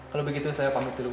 kalau begitu saya pamit dulu